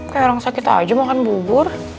kayak orang sakit aja makan bubur